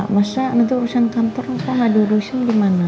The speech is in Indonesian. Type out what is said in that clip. masa nanti urusan kantor kok gak ada urusan di mana